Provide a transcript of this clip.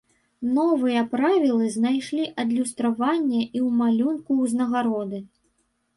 Новыя правілы знайшлі адлюстраванне і ў малюнку ўзнагароды.